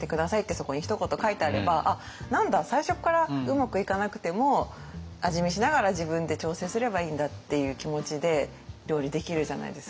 そこにひと言書いてあれば「あっなんだ最初からうまくいかなくても味見しながら自分で調整すればいいんだ」っていう気持ちで料理できるじゃないですか。